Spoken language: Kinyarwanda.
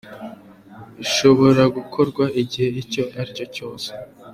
Bishobora gukorwa igihe icyo aricyo cyose.